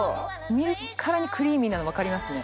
見るからにクリーミーなの分かりますね。